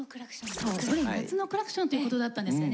そう「夏のクラクション」ってことだったんですよね。